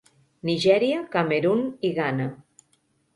Nigèria, Camerun i Ghana.